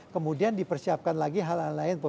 kemudian dipersiapkan lagi hal hal lain